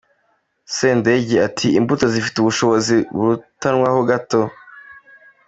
Sendege ati “Imbuto zifite ubushobozi burutanwaho gato.